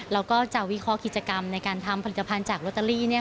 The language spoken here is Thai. แล้วก็จะวิเคราะห์กิจกรรมในการทำผลิตภัณฑ์จากโรตาลี